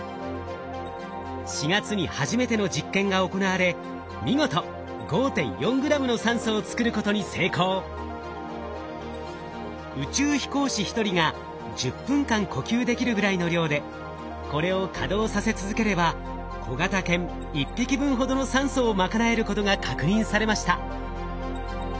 ４月に初めての実験が行われ見事宇宙飛行士１人が１０分間呼吸できるぐらいの量でこれを稼働させ続ければ小型犬１匹分ほどの酸素を賄えることが確認されました。